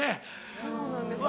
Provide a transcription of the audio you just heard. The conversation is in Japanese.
そうなんですけど。